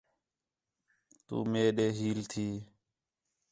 تُو مئے ݙے ہیل تھی